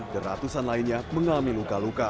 dan ratusan lainnya mengalami luka luka